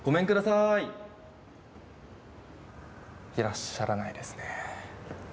いらっしゃらないですね。